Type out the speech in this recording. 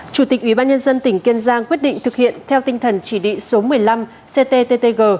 chủ tịch ủy ban nhân dân tỉnh kiên giang quyết định thực hiện theo tinh thần chỉ đị số một mươi năm ctttg